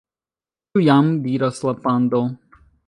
"Ĉu jam?" diras la pando.